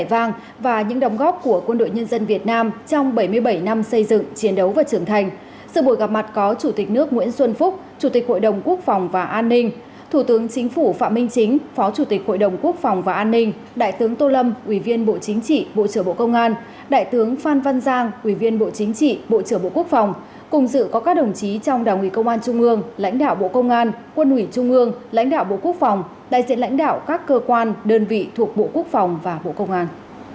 đại tướng tô lâm ủy viên bộ chính trị bộ trưởng bộ công an đại tướng phan văn giang ủy viên bộ chính trị bộ trưởng bộ quốc phòng cùng dự có các đồng chí trong đảng ủy công an trung ương lãnh đạo bộ công an quân ủy trung ương lãnh đạo bộ quốc phòng đại diện lãnh đạo các cơ quan đơn vị thuộc bộ quốc phòng và bộ công an